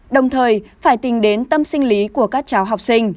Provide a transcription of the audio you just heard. đồng thời phải tính đến tâm sinh lý của các cháu học sinh